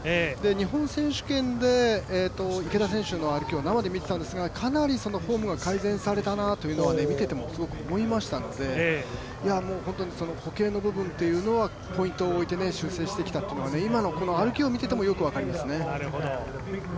日本選手権で池田選手の歩きを生で見ていたんですがかなりフォームが改善されたなと、見てて思いましたので本当に歩型の部分はポイントを置いて修正してきたことが今の歩きを見ていてもよく分かりますね。